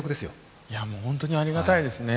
いや、本当にありがたいですね。